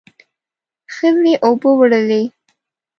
ښځې اوبه وړلې.